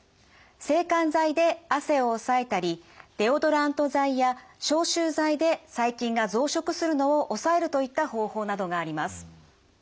制汗剤で汗を抑えたりデオドラント剤や消臭剤で細菌が増殖するのを抑えるといった方法などがあります。